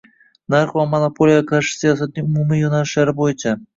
narx va monopoliyaga qarshi siyosatning umumiy yo`nalishlari bo`yicha